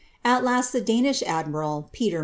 A; last the Danish admiral, Peter